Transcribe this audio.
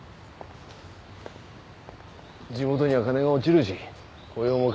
地元には金が落ちるし雇用も確保される